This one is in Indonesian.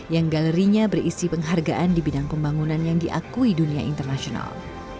yang galerinya berisi penghargaan di bidang pembangunan yang diakui dunia internasional